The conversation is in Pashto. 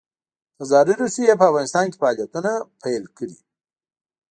تزاري روسیې په افغانستان کې فعالیتونه پیل کړي.